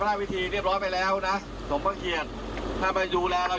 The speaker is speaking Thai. จะเป็นเรื่องไหนไปฟังเสียงท่านกันเลยค่ะ